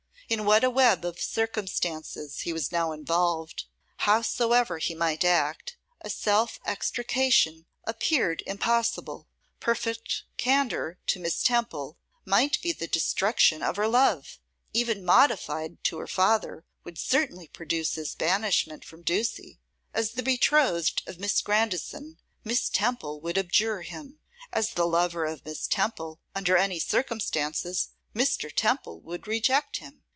In what a web of circumstances was he now involved! Howsoever he might act, self extrication appeared impossible. Perfect candour to Miss Temple might be the destruction of her love; even modified to her father, would certainly produce his banishment from Ducie. As the betrothed of Miss Grandison, Miss Temple would abjure him; as the lover of Miss Temple, under any circumstances, Mr. Temple would reject him.